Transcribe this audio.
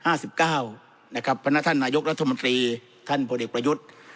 ห้าสิบเก้านะครับพระนัทธานนายุคตรัฐมนุษย์ท่านพลฤชประยุทธ์